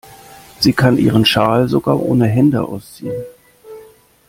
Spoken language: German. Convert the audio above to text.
Sie kann ihren Schal sogar ohne Hände ausziehen.